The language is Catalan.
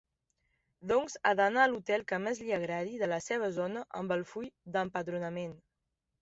Doncs ha d'anar a l'hotel que més li agradi de la seva zona amb el full d'empadronament.